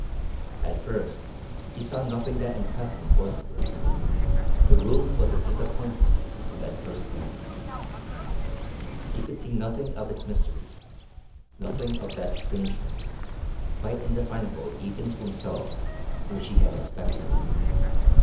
At first he saw nothing that impressed him forcibly. The room was a disappointment in that first glance. He could see nothing of its mystery, nothing of that strangeness, quite indefinable even to himself, which he had expected.